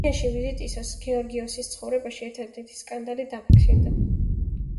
დანიაში ვიზიტისას გეორგიოსის ცხოვრებაში ერთადერთი სკანდალი დაფიქსირდა.